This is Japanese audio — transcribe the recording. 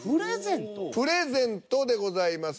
「プレゼント」でございます。